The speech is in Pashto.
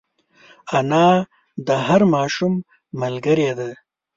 انا د هر ماشوم ملګرې ده